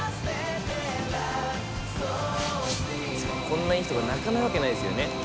こんないい人が泣かないわけないですよね。